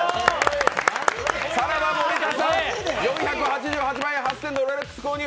さらば森田さん、４８８万のロレックス購入！